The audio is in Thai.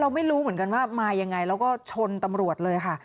ไม่รู้เหมือนกันว่ามายังไงแล้วก็ชนตำรวจเลยค่ะ